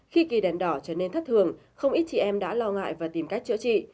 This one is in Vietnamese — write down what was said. khi kỳ đèn đỏ trở nên thất thường không ít chị em đã lo ngại và tìm cách chữa trị